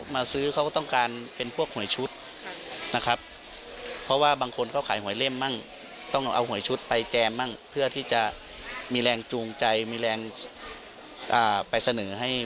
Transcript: บางคนเขาไม่มีทุนอย่างนี้